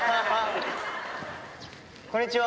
こんにちは。